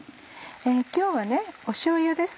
今日はしょうゆです。